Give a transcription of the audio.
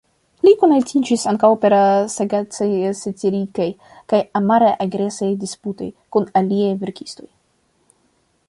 Li konatiĝis ankaŭ per sagacaj-satirikaj kaj amare-agresaj disputoj kun aliaj verkistoj.